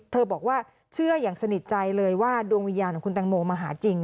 บอกว่าเชื่ออย่างสนิทใจเลยว่าดวงวิญญาณของคุณตังโมมาหาจริง